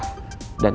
dan tante mau bales